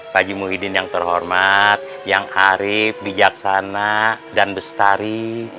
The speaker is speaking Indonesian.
haji muhyiddin yang terhormat yang arif bijaksana dan bestari